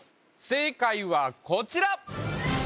正解はこちら！